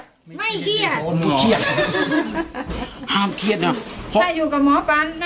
เครียดไม่เครียดไม่เครียดห้ามเครียดน่ะถ้าอยู่กับหมอปั๊นนั้นนั้น